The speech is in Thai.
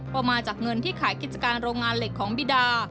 ก็มาจากเงินที่ขายกิจการโรงงานเหล็กของบิดา